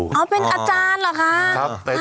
อ๋อเป็นอาจารย์หรือคะ